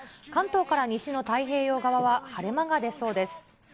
関東から西の太平洋側は、晴れ間が出そうです。